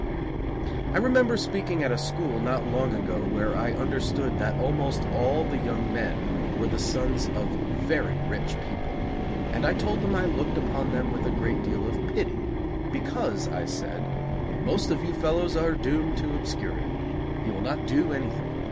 I remember speaking at a school not long ago where I understood that almost all the young men were the sons of very rich people, and I told them I looked upon them with a great deal of pity, because, I said: "Most of you fellows are doomed to obscurity. You will not do anything.